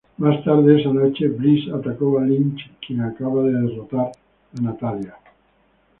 Más tarde esa noche, Bliss atacó a Lynch, quien acababa de derrotar a Natalya.